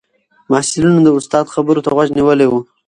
محصلینو د استاد خبرو ته غوږ نیولی و.